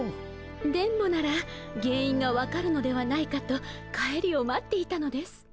電ボなら原因が分かるのではないかと帰りを待っていたのです。